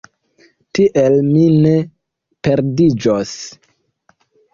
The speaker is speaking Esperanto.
Tiel, mi ne perdiĝos.